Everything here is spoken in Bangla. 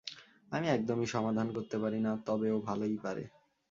আমি একদমই সমাধান করতে পারি না, তবে ও ভালোই পারে।